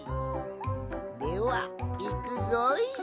ではいくぞい。